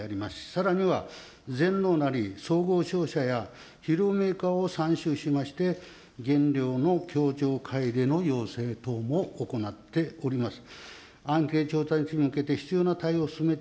さらには全農なり総合商社や肥料メーカーを参集しまして、原料のでの要請等も行っております。